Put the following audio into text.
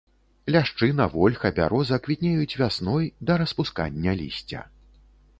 Ляшчына, вольха, бяроза квітнеюць вясной, да распускання лісця.